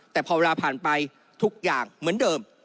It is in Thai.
แต่พอเวลาผ่านไปทุกอย่างเหมือนเดิม